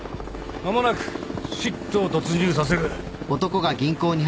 間もなくＳＩＴを突入させる。